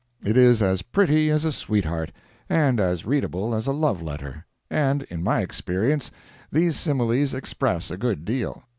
It is as pretty as a sweetheart, and as readable as a love letter—and in my experience, these similes express a good deal.